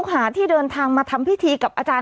ฮ่าฮ่าฮ่าฮ่าฮ่าฮ่า